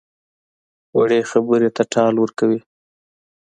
وړې خبرې ته ټال ورکوي.